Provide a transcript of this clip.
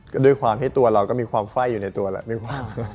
ก็ด้วยความที่ตัวเราก็มีความไฟ่อยู่ในตัวแล้วมีความ